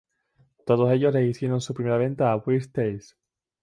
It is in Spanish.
Todos ellos le hicieron su primera venta a "Weird Tales".